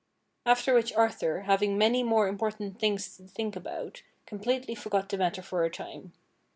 After which Arthur, having many more important things to think about, completely forgot the matter for a time.